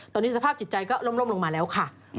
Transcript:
ตอนนี้สภาพจิตใจก็ล่มลงมาแล้วค่ะ